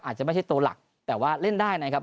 อาจจะไม่ใช่ตัวหลักแต่ว่าเล่นได้นะครับ